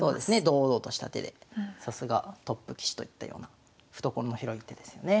堂々とした手でさすがトップ棋士といったような懐の広い一手ですよね。